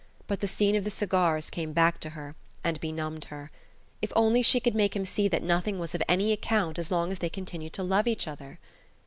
But the scene of the cigars came back to her, and benumbed her. If only she could make him see that nothing was of any account as long as they continued to love each other!